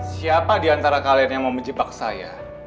siapa diantara kalian yang mau menjebak saya